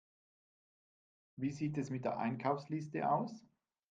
Wie sieht es mit der Einkaufsliste aus?